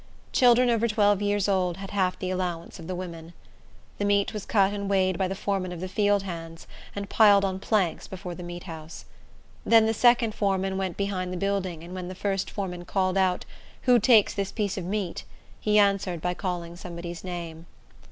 Children over twelve years old had half the allowance of the women. The meat was cut and weighed by the foreman of the field hands, and piled on planks before the meat house. Then the second foreman went behind the building, and when the first foreman called out, "Who takes this piece of meat?" he answered by calling somebody's name.